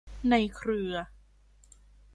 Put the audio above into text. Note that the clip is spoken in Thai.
ในเครือ